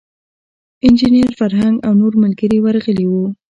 انجینیر فرهنګ او نور ملګري ورغلي وو.